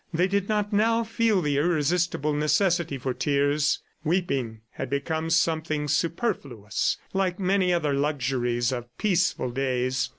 They did not now feel the irresistible necessity for tears. Weeping had become something superfluous, like many other luxuries of peaceful days.